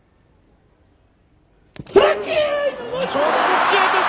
突き落とし。